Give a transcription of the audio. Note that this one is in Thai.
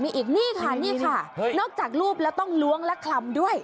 มีอีกนี่ค่ะนี่ค่ะนอกจากรูปแล้วต้องล้วงและคลำด้วย